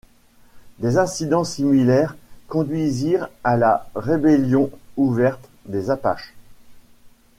Des incidents similaires conduisirent à la rébellion ouverte des Apaches.